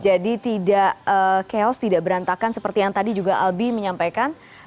jadi tidak chaos tidak berantakan seperti yang tadi juga albi menyampaikan